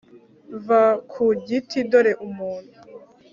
va ku giti dore umuntu